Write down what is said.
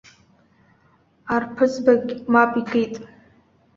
Арԥызбагь мап икит.